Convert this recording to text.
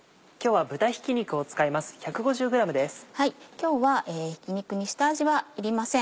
今日はひき肉に下味はいりません。